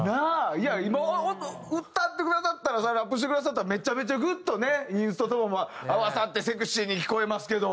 いや今歌ってくださったらラップしてくださったらめちゃめちゃグッとねインストとも合わさってセクシーに聞こえますけど。